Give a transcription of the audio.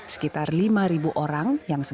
sekitar lima orang yang sempat mencari uang virtual